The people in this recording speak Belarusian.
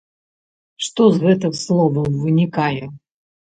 Што з гэтых словаў вынікае?